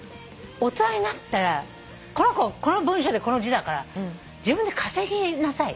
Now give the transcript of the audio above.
大人になったらこの子この文章でこの字だから自分で稼ぎなさい。